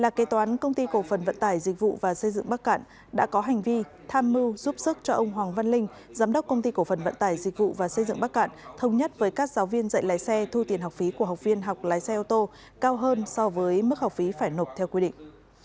là kế toán công ty cổ phần vận tải dịch vụ và xây dựng bắc cạn đã có hành vi tham mưu giúp sức cho ông hoàng văn linh giám đốc công ty cổ phần vận tải dịch vụ và xây dựng bắc cạn thông nhất với các giáo viên dạy lái xe thu tiền học phí của học viên học lái xe ô tô cao hơn so với mức học phí phải nộp theo quy định